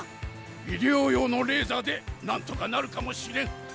医療用のレーザーでなんとかなるかもしれん！